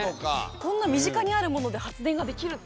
こんな身近にあるもので発電ができるって。